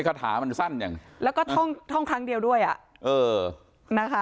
คาถามันสั้นอย่างแล้วก็ท่องท่องครั้งเดียวด้วยอ่ะเออนะคะ